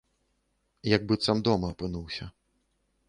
Як быццам дома апынуўся.